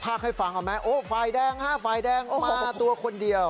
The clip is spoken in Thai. ภาคให้ฟังอ่ะแม่โอ้ไฟล์แดงฮะไฟล์แดงมาตัวคนเดียว